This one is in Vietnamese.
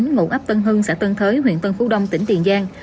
ngụ ấp tân hưng xã tân thới huyện tân phú đông tỉnh tiền giang